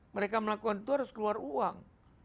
mereka melakukan itu harus keluar uang